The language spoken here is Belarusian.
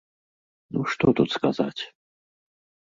Ну што тут сказаць?